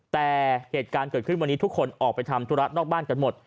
แต่เหตุการณ์เกิดขึ้นวันนี้ทุกคนออกไปทำธุระนอกบ้านกันหมด